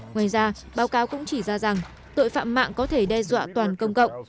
ngoài ra báo cáo cũng chỉ ra rằng tội phạm mạng có thể đe dọa toàn công cộng